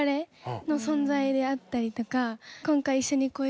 今回。